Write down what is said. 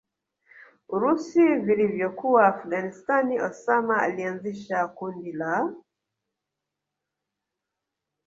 urusi vilivyokuwa Afghanstani Osama alianzisha kundi la